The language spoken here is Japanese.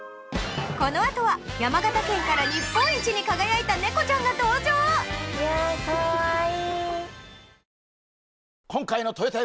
このあとは山形県から日本一に輝いた猫ちゃんが登場ウワーかわいい。